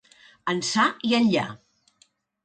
Ençà i enllà.